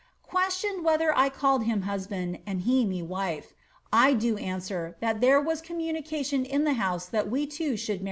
^ Questioned whether I called him husband, and he me wife ? I do snswer, that there was communication in the house that we two should * iitate , Papers, vol.